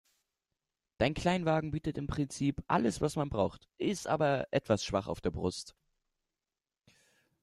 Dein Kleinwagen bietet im Prinzip alles, was man braucht, ist aber etwas schwach auf der Brust.